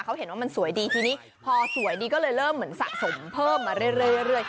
เขาเห็นว่ามันสวยดีทีนี้พอสวยดีก็เลยเริ่มเหมือนสะสมเพิ่มมาเรื่อย